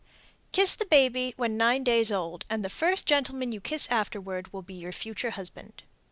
Kiss the baby when nine days old, and the first gentleman you kiss afterward will be your future husband.